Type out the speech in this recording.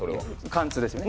貫通ですよね。